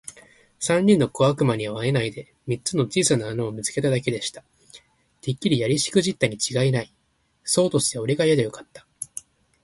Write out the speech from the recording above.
三人の小悪魔にはあえないで、三つの小さな穴を見つけただけでした。「てっきりやりしくじったにちがいない。そうとすりゃおれがやりゃよかった。」